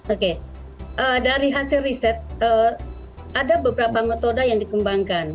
oke dari hasil riset ada beberapa metode yang dikembangkan